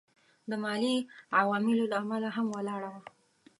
د مالي عواملو له امله هم ولاړه وه.